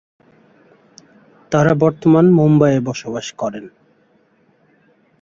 তারা বর্তমান মুম্বইয়ে বসবাস করেন।